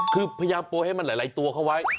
คือพยายามโปรยให้มันหลายตัวเข้าไว้